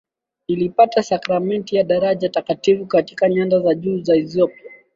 lilipata sakramenti ya daraja takatifu katika nyanda za juu za Ethiopia